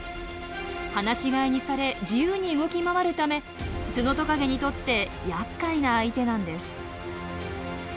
放し飼いにされ自由に動き回るためツノトカゲにとってやっかいな相手なんです。